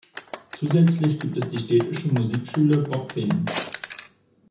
Zusätzlich gibt es die Städtische Musikschule Bopfingen.